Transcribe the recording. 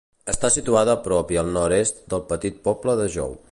Està situada a prop i al nord-est del petit poble de Jou.